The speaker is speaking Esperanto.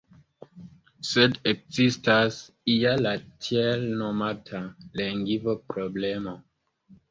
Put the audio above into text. Sed ekzistas ja la tiel nomata “lingvo-problemo”.